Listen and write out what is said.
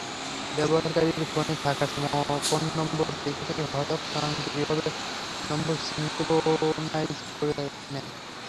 ব্যবহারকারীর ফোনে থাকা ফোন নম্বর তালিকা থেকে হোয়াটসঅ্যাপ স্বয়ংক্রিয়ভাবে নম্বর সিনক্রোনাইজ করে নেয়।